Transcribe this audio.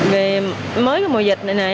về mới mùa dịch này này